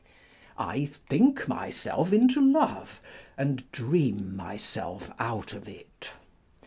I think myself into love, and dream myself out of it.